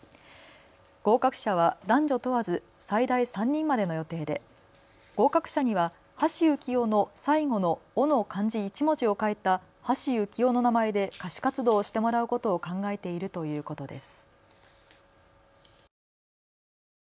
合格者は男女問わず最大３人までの予定で合格者には橋幸夫の最後の夫の漢字１文字を変えたはしゆきおの名前で歌手活動をしてもらうことを考えているということです。